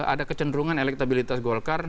ada kecenderungan elektabilitas golkar